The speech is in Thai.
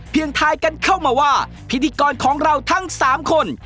ทายกันเข้ามาว่าพิธีกรของเราทั้ง๓คน